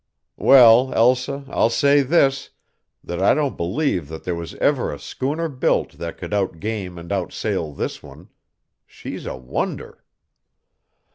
"Well, Elsa, I'll say this that I don't believe that there was ever a schooner built that could outgame and outsail this one. She's a wonder!"